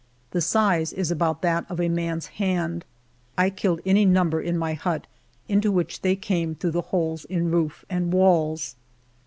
The size is about that of a man's hand. I killed any num ber in m.y hut, into which they came through the holes in roof and walls.